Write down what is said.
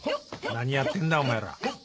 何やってんだお前ら。